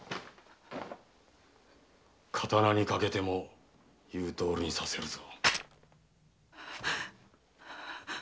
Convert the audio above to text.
刀にかけても言うとおりにさせるぞ。